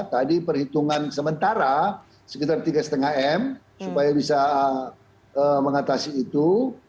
tadi perhitungan sementara sekitar tiga lima m supaya bisa mengatasi itu